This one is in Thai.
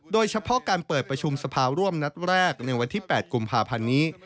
โดยเฉพาะการเปิดประชุมสภาร่วมนัดแรกในวันที่๘กุมภาพันธ์นี้